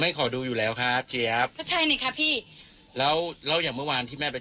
ขอดูอยู่แล้วครับเจี๊ยบก็ใช่นี่ครับพี่แล้วแล้วอย่างเมื่อวานที่แม่ไป